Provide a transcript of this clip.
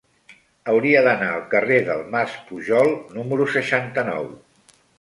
Hauria d'anar al carrer del Mas Pujol número seixanta-nou.